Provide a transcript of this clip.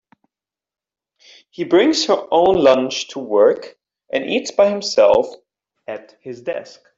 He brings her own lunch to work, and eats by himself at his desk.